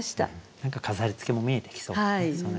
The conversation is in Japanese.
何か飾りつけも見えてきそうな